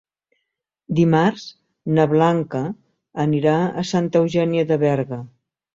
Dimarts na Blanca anirà a Santa Eugènia de Berga.